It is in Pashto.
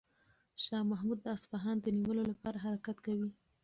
شاه محمود د اصفهان د نیولو لپاره حرکت کوي.